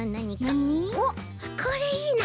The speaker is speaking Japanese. おっこれいいな。